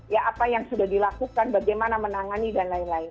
ya apa yang sudah dilakukan bagaimana menangani dan lain lain